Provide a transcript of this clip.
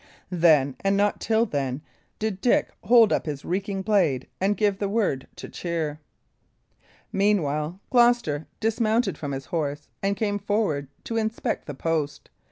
Then, and not till then, did Dick hold up his reeking blade and give the word to cheer. Meanwhile Gloucester dismounted from his horse and came forward to inspect the post.